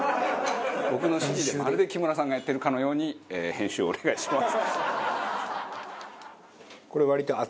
僕の指示でまるで木村さんがやってるかのように編集をお願いします。